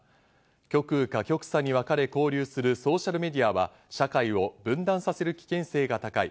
極右が極左にわかれ、交流するソーシャルメディアは社会を分断させる危険性が高い。